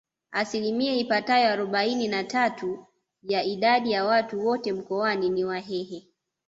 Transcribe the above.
Asilimia ipatayo arobaini na tatu ya idadi ya watu wote Mkoani ni Wahehe